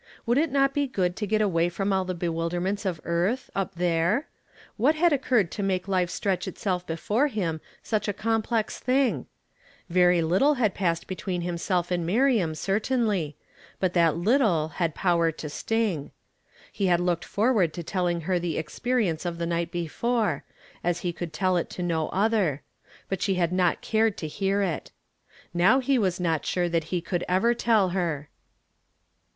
Would it not be good to get away from all the bewilderments of earth, up there? A\']iat had occurred to make life stretch itself before liim such a complex thing? Very little liad })assed between himself and IVIiriam, certainly, but that little had power to sting. He had looked forward to telling her the experience of the night before, as he could tell it to no other; but she had not cared to hear it. Now he was not sure that he could ever tell her.